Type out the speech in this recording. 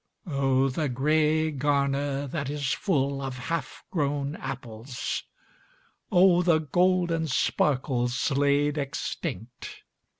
Oh, the grey garner that is full of half grown apples, Oh, the golden sparkles laid extinct